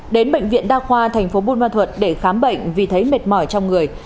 đến bệnh viện đa khoa tp bunma thuật để khám bệnh vì thấy mệt mỏi trong người